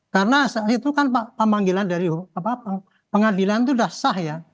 karena itu kan pemanggilan dari pengadilan itu sudah sah ya